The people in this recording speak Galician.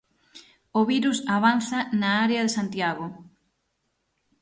O virus avanza na área de Santiago.